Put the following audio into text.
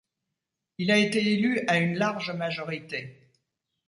Il a été élu à une large majorité.